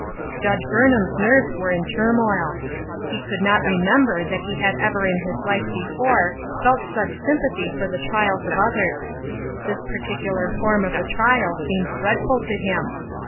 Judge Burnham's nerves were in turmoil. He could not remember that he had ever in his life before felt such sympathy for the triivlsof others. This particular form of the trial seemed dreadful to him.